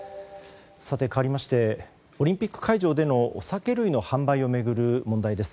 かわりましてオリンピック会場での酒類の販売を巡る問題です。